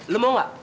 lo mau gak